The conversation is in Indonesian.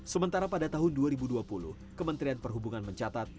sementara pada tahun dua ribu dua puluh kementerian perhubungan mencatat